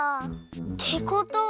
ってことは。